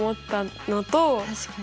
確かに。